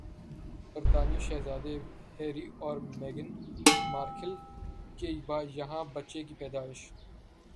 برطانوی شہزادے ہیری اور میگھن مارکل کے ہاں بچے کی پیدائش